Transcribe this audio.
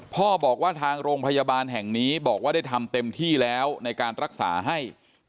พ่อบอกว่าทางโรงพยาบาลแห่งนี้บอกว่าได้ทำเต็มที่แล้วในการรักษาให้